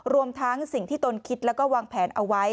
รวมทั้งสิ่งที่ตนคิดแล้วก็วางแผนเอาไว้